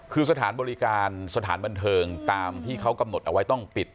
คือสถานบริการสถานบันเทิงตามที่เขากำหนดเอาไว้ต้องปิด